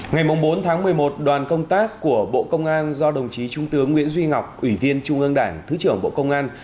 ngày bốn tháng một mươi một đoàn công tác của bộ công an do đồng chí trung tướng nguyễn duy ngọc ủy viên trung ương đảng thứ trưởng bộ công an